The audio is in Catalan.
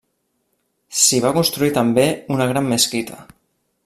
S'hi va construir també una gran mesquita.